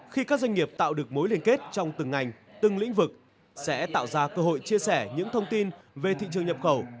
khi các doanh nghiệp tạo được mối liên kết trong từng ngành từng lĩnh vực sẽ tạo ra cơ hội chia sẻ những thông tin về thị trường nhập khẩu